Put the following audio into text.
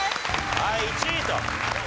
はい１位と。